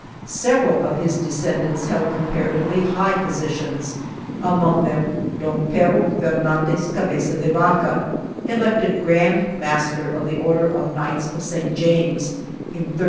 Several of his descendants held com paratively high positions, among them Don Pero Fernandez Cabeza de Vaca, elected grand master of the order of Knights of St. James in 1383.